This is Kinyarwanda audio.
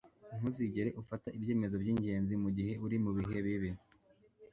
ntuzigere ufata ibyemezo byingenzi mugihe uri mubihe bibi